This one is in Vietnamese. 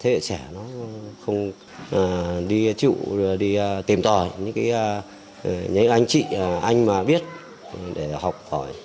thế hệ trẻ nó không đi chịu đi tìm tòi những anh chị anh mà biết để học hỏi